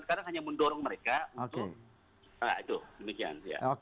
sekarang hanya mendorong mereka untuk